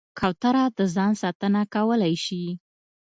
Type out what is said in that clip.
کوتره د ځان ساتنه کولی شي.